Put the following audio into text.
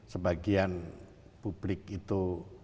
sebagian publik itu